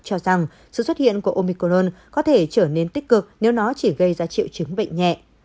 cho rằng sự xuất hiện của omicron có thể trở nên tích cực nếu nó chỉ gây ra triệu chứng bệnh nhẹ